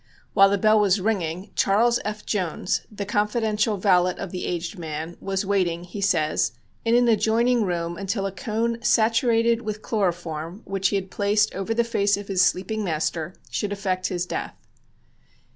While the bell was ringing Charles F. Jones, the confidential valet of the aged man, was waiting, he says, in an adjoining room until a cone saturated with chloroform, which he had placed over the face of his sleeping master, should effect his death.